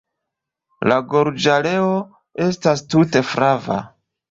La gorĝareo estas tute flava.